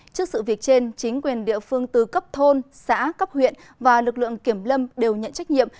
trước sự việc trên chính quyền địa phương từ cấp thôn xã cấp huyện và lực lượng kiểm lâm đều nhận trách nhiệm